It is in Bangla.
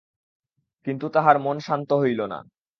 কিন্তু তাহার মন শান্ত হইল না।